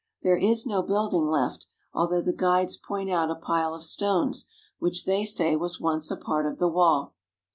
There is no building left, although the guides point out a pile of stones which they say was once a part of the wall.